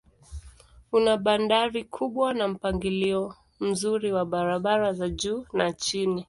Una bandari kubwa na mpangilio mzuri wa barabara za juu na chini.